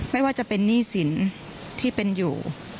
ไม่ว่าจะเป็นหนี้สินที่เป็นอยู่